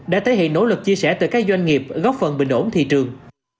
đã thể hiện nỗ lực chia sẻ từ các doanh nghiệp góp phần bình ổn thị trường